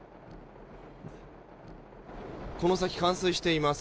この先冠水しています。